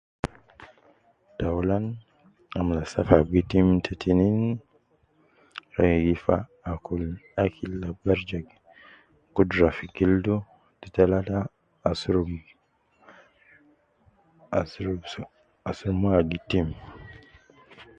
Taulan amla safa ab gitim, te tinin ye gi fa akul akil ab gi jib gudura fi gildu, te talata asurub so, asurub moyo ab gitim.